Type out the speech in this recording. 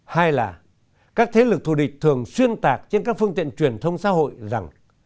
hai là các thế lực thù địch thường xuyên tạc trên các phương tiện truyền thông xã hội rằng